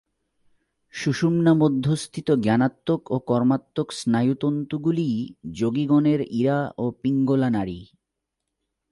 সুষুম্না-মধ্যস্থিত জ্ঞানাত্মক ও কর্মাত্মক স্নায়ুতন্তুগুলিই যোগিগণের ইড়া ও পিঙ্গলা নাড়ী।